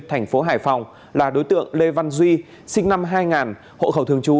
tp hải phòng là đối tượng lê văn duy sinh năm hai nghìn hộ khẩu thường trú